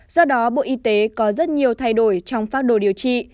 do đó bộ y tế có rất nhiều thay đổi trong phác đồ điều trị